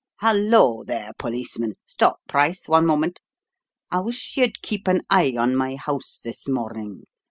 Hullo, there, policeman; stop, Price, one moment; I wish you'd keep an eye on my house this morning.